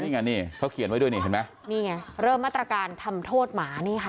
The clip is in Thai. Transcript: นี่ไงนี่เขาเขียนไว้ด้วยนี่เห็นไหมนี่ไงเริ่มมาตรการทำโทษหมานี่ค่ะ